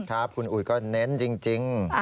ครับคุณอุ๋ยก็เน้นจริง